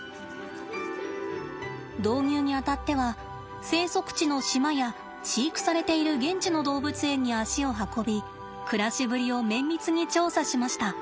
導入にあたっては生息地の島や飼育されている現地の動物園に足を運び暮らしぶりを綿密に調査しました。